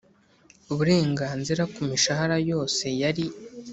uburenganzira ku mishahara yose yari